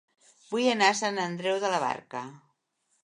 Vull anar a Sant Andreu de la Barca